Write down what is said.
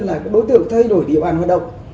là đối tượng thay đổi địa bàn hoạt động